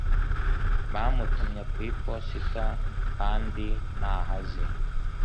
bamutumye ku iposita kandi ntaho azi